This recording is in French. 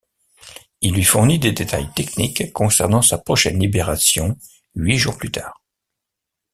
Il lui fournit des détails techniques concernant sa prochaine libération huit jours plus tard.